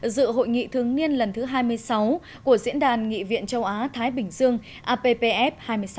dự hội nghị thường niên lần thứ hai mươi sáu của diễn đàn nghị viện châu á thái bình dương appf hai mươi sáu